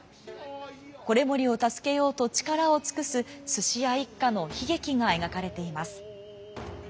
維盛を助けようと力を尽くす鮓屋一家の悲劇が描かれています。